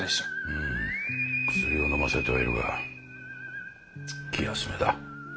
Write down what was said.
うん薬をのませてはいるが気休めだ。